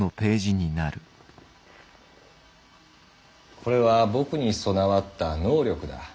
これは僕に備わった「能力」だ。